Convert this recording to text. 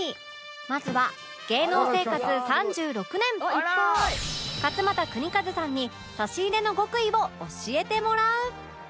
まずは芸能生活３６年勝俣州和さんに差し入れの極意を教えてもらう